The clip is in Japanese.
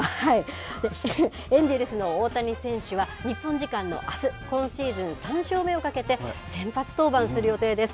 エンジェルスの大谷選手は、日本時間のあす、今シーズン３勝目をかけて、先発登板する予定です。